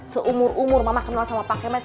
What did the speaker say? seumur umur mama kenal sama pak kemen